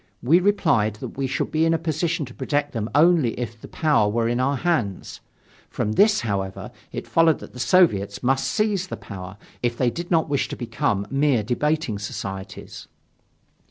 We replied that we should be in a position to protect them only if the power were in our hands. From this, however, it followed that the Soviets must seize the power if they did not wish to become mere debating societies.